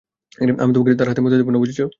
আমি তোমাকে তার হাতে মরতে দিব না, বুঝেছ?